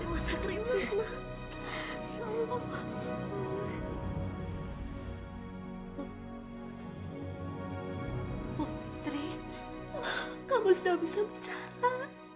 putri kamu sudah bisa bicara